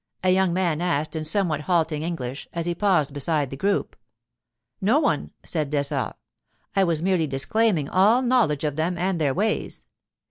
a young man asked in somewhat halting English as he paused beside the group. 'No one,' said Dessart; 'I was merely disclaiming all knowledge of them and their ways.